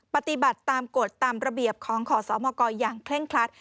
ปฏิบัติตามกฎตามระเบียบของขอสมกอย่างเคร่งครัด